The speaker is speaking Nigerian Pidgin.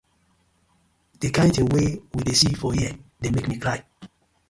Di kin tin wey we dey see for here dey mek mi cry.